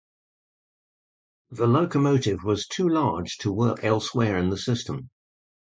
The locomotive was too large to work elsewhere in the system.